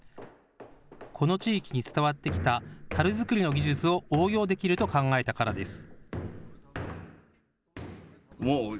この地域に伝わってきたたる作りの技術を応用できると考えたからです。